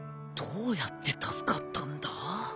どうやって助かったんだ？